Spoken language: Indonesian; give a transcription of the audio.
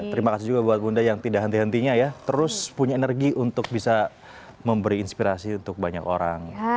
terima kasih juga buat bunda yang tidak henti hentinya ya terus punya energi untuk bisa memberi inspirasi untuk banyak orang